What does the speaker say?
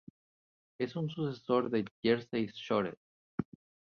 Es un sucesor de "Jersey Shore".